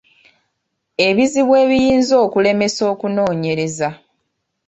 Ebizibu ebiyinza okulemesa okunoonyereza